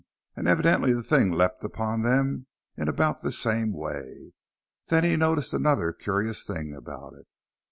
And evidently the thing leapt upon them in about the same way. Then he noticed another curious thing about it.